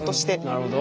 なるほど。